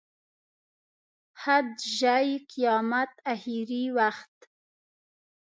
حد، ژۍ، قیامت، اخري وخت.